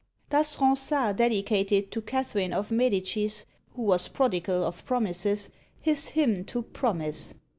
Thus Ronsard dedicated to Catherine of Medicis, who was prodigal of promises, his hymn to PROMISE.